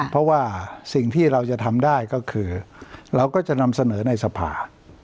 เพราะว่าสิ่งที่เราจะทำได้ก็คือเราก็จะนำเสนอในสภา